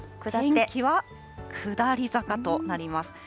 天気は下り坂となります。